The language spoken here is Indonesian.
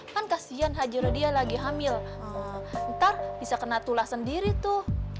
kan kasihan haji rodia lagi hamil ntar bisa kena tulah sendiri tuh